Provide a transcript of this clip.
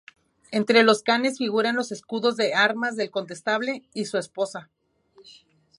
Entre los canes figuran los escudos de armas del Condestable y su esposa.